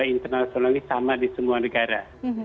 internasional ini sama di semua negara